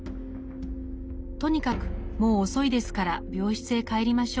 「とにかくもう遅いですから病室へ帰りましょう」。